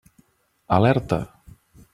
Alerta!